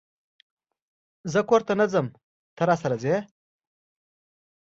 زه کور ته ځم ته، راسره ځئ؟